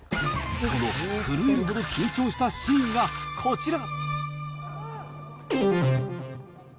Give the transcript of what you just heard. その震えるほど緊張したシーンがこちら。